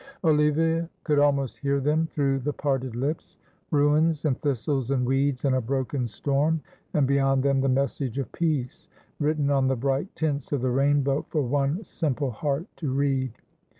Olivia could almost hear them through the parted lips; ruins and thistles and weeds and a broken storm, and beyond them the message of peace, written on the bright tints of the rainbow, for one simple heart to read.